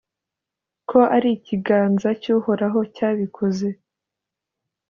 ko ari ikiganza cy’Uhoraho cyabikoze,